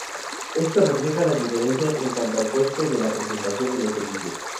Esto refleja las diferencias en cuanto al costo de la prestación de los servicios.